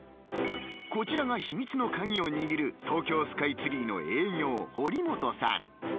こちらが秘密の鍵を握る東京スカイツリーの営業堀本さん